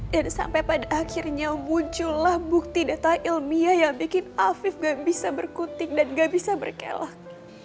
dan sampai pada akhirnya muncullah bukti data ilmiah yang bikin afif gak bisa berkutik dan gak bisa berkelak